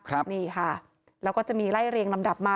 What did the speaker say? นี่ค่ะแล้วก็จะมีไล่เรียงลำดับมา